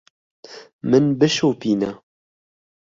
Min bişopîne.